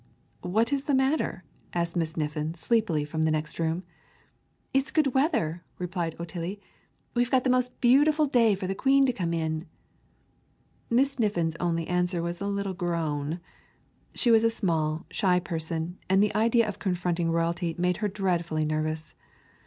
"What is the matter?" asked Miss Niffin sleepily from the next room. "It's good weather," replied Otillie. "We've got the most beautiful day for the Queen to come in." Miss Niffin's only answer was a little groan. She was a small, shy person, and the idea of confronting royalty made her dreadfully nervous.